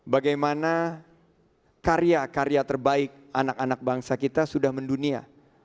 bagaimana karya karya terbaik anak anak bangsa kita sudah mendunia